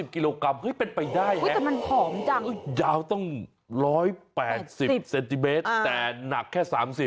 กิโลกรัมเป็นไปได้ไหมยาวต้อง๑๘๐เซนติเมตรแต่หนักแค่๓๐